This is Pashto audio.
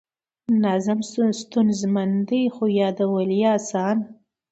نظم ستونزمن دی خو یادول یې اسان دي.